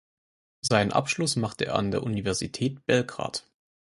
Seinen Abschluss machte er an der Universität Belgrad.